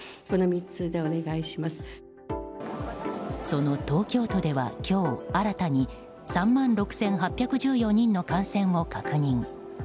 その東京都では今日新たに３万６８１４人の感染を確認。